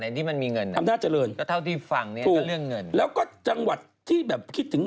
ไม่มันแน่นมันเกี้ยวแน่น